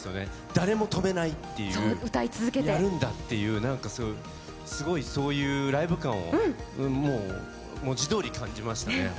誰も止めないっていうやるんだっていう、すごい、そういうライブ感を文字どおり感じましたね。